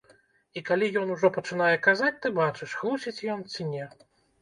І калі ён ужо пачынае казаць, ты бачыш, хлусіць ён ці не.